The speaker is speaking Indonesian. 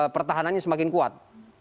pertahanannya semakin kuat